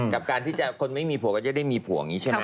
กับการที่คนไม่มีผัวก็จะได้มีผัวอย่างนี้ใช่ไหม